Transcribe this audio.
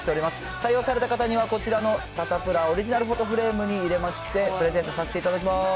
採用された方にはこちらのサタプラオリジナルフォトフレームに入れまして、プレゼントさせていただきます。